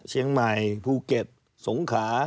เชียงใหม่ภูเก็ตสงขา